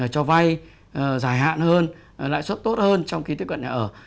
cho vay giải hạn hơn lãi xuất tốt hơn trong khi tiếp cận nhà ở